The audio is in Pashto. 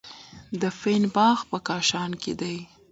د فین باغ په کاشان کې دی.